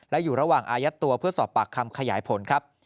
และอยู่ระหว่างอายัดตัวเพื่อสอบปากคำขยายผลครับ